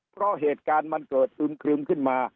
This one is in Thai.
เพราะเหตุการณ์มันเกิดอึมครึมขึ้นมา